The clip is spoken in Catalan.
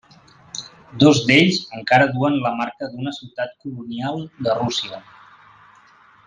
Dos d'ells encara duen la marca d'una ciutat colonial de Rússia.